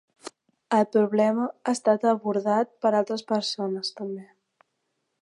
El problema ha estat abordat per altres persones també.